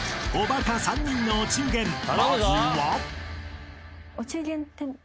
［まずは］